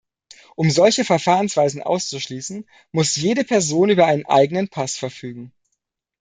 Um solche Verfahrensweisen auszuschließen, muss jede Person über einen eigenen Pass verfügen.